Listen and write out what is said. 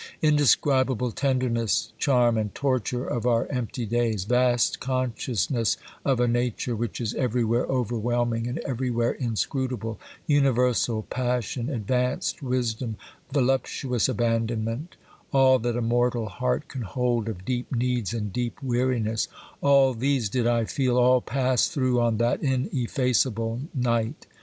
Indescribable tenderness, charm and torture of our empty days ; vast consciousness of a Nature which is every where overwhelming and everywhere inscrutable ; universal passion, advanced wisdom, voluptuous abandonment : all that a mortal heart can hold of deep needs and deep weariness, all these did I feel, all pass through on that ineffaceable night.